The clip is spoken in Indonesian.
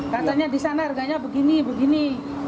katanya di sana harganya begini begini